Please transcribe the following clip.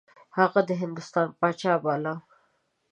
هغه د هندوستان پاچا باله.